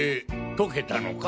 解けたのか？